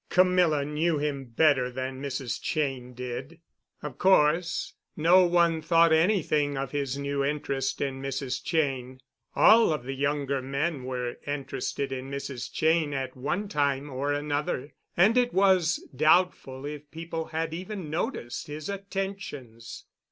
Camilla knew him better than Mrs. Cheyne did. Of course, no one thought anything of his new interest in Mrs. Cheyne. All of the younger men were interested in Mrs. Cheyne at one time or another, and it was doubtful if people had even noticed his attentions.